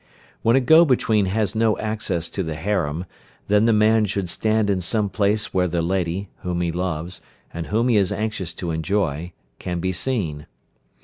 When a go between has no access to the harem, then the man should stand in some place where the lady, whom he loves, and whom he is anxious to enjoy, can be seen.